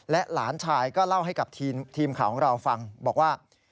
หลานชายก็เล่าให้กับทีมข่าวของเราฟังบอกว่า